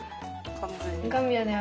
完全に。